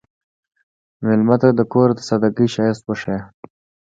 مېلمه ته د کور د سادګۍ ښایست وښیه.